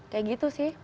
kayak gitu sih